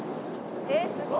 えっすごい！